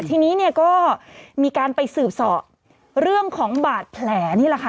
ทีนี้เนี่ยก็มีการไปสืบสอบเรื่องของบาดแผลนี่แหละค่ะ